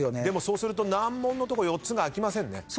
でもそうすると難問のとこ４つが開きませんね。